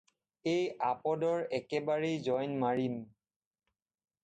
এই আপদৰ একেবাৰেই জইন মাৰিম।